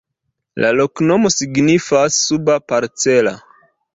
La loknomo signifas: suba-parcela.